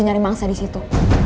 nyari mangsa disitu